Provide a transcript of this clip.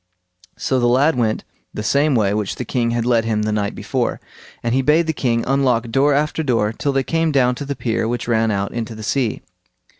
So the lad went the same way which the king had led him the night before, and he bade the king unlock door after door till they came down to the pier which ran out into the sea.